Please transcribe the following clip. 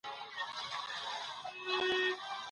کله ناکله په بد سي کي هم خير وي.